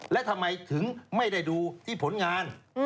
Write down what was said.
และทำไมถึงไม่ได้ดูที่ผลงาน